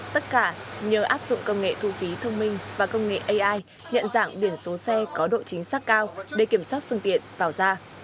tất cả nhờ áp dụng công nghệ thu phí thông minh và công nghệ ai nhận dạng biển số xe có độ chính xác cao để kiểm soát phương tiện vào ra